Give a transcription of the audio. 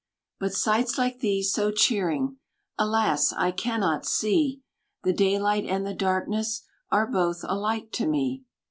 But sights like these so cheering, Alas, I cannot see! The daylight and the darkness Are both alike to me.